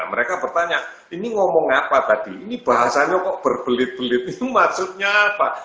mereka bertanya ini ngomong apa tadi ini bahasanya kok berbelit belit itu maksudnya apa